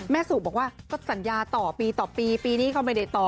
สุบอกว่าก็สัญญาต่อปีต่อปีปีนี้เขาไม่ได้ต่อ